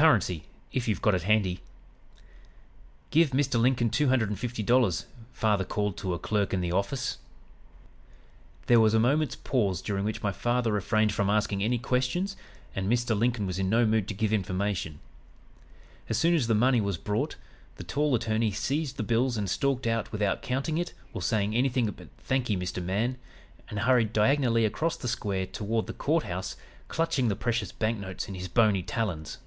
"'Currency, if you've got it handy.' "'Give Mr. Lincoln two hundred and fifty dollars,' father called to a clerk in the office. "There was a moment's pause, during which my father refrained from asking any questions, and Mr. Lincoln was in no mood to give information. As soon as the money was brought, the tall attorney seized the bills and stalked out without counting it or saying anything but 'Thankee, Mr. Man,' and hurried diagonally across the square toward the Court House, clutching the precious banknotes in his bony talons.